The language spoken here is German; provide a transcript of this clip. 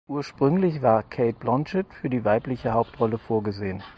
Ursprünglich war Cate Blanchett für die weibliche Hauptrolle vorgesehen.